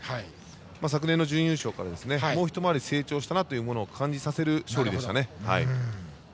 昨年の準優勝からもうひと回り成長したなと感じさせる勝利でしたね。